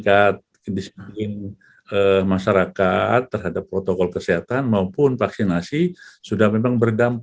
kisah kisah yang terjadi di jepang